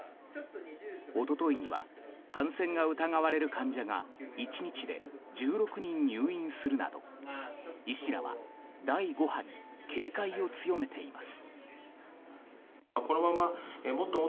一昨日には感染が疑われる患者が１日で１６人入院するなど医師らは、第５波に警戒を強めています。